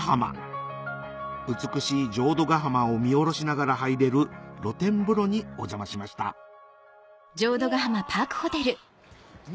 美しい浄土ヶ浜を見下ろしながら入れる露天風呂にお邪魔しましたうわ！